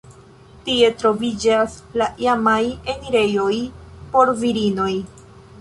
Tie troviĝas la iamaj enirejoj por virinoj.